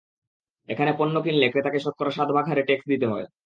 এখানে পণ্য কিনলে ক্রেতাকে শতকরা সাত ভাগ হারে ট্যাক্স দিতে হয়।